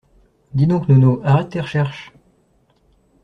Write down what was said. Dis donc nono, arrête tes recherches.